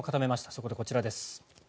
そこでこちらです。